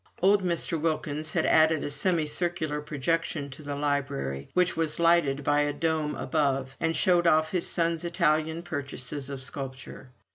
Old Mr. Wilkins had added a semicircular projection to the library, which was lighted by a dome above, and showed off his son's Italian purchases of sculpture.